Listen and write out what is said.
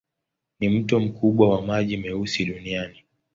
Ni mto mkubwa wa maji meusi duniani.